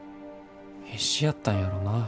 必死やったんやろな。